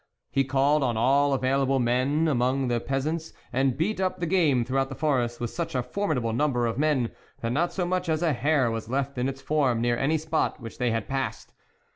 He called on all available men among the peasants, and beat up the game throughout the forest with such a formidable number of men, that not so much as a hare was left in its form near any spot which they had passed.